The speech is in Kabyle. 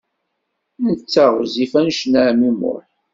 Netta ɣezzif anect n ɛemmi Muḥ.